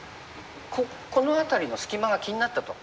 この辺りの隙間が気になったと。